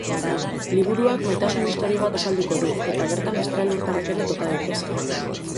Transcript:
Liburuak maitasun istorio bat azalduko du eta bertan extralurtarrak ere topa daitezke.